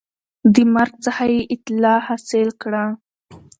د مرګ څخه یې اطلاع حاصل کړه